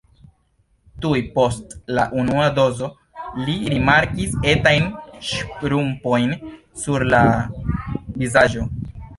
Tuj post la unua dozo li rimarkis etajn ŝrumpojn sur la vizaĝo.